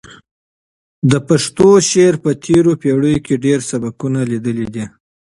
د پښتو شعر په تېرو پېړیو کې ډېر سبکونه لیدلي دي.